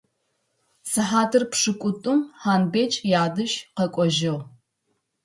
Сыхьатыр пшӏыкӏутӏум Хъанбэч ядэжь къэкӏожьы.